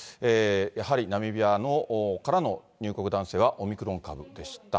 やはりナミビアからの入国男性は、オミクロン株でした。